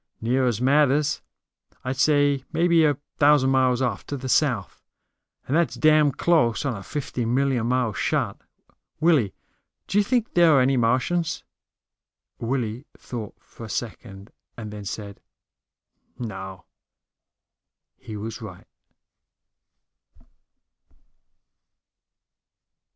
"Near as matters. I'd say it was maybe a thousand miles off, to the south. And that's damn close on a fifty million mile shot. Willie, do you really think there are any Martians?" Willie thought a second and then said, "No." He was right.